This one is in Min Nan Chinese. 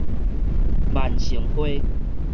萬盛溪